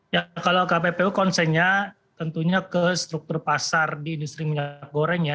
ya kalau kppu konsennya tentunya ke struktur pasar di industri minyak goreng ya